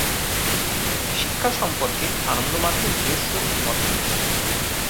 শিক্ষা সম্পর্কে আনন্দমার্গের নিজস্ব অভিমত রয়েছে।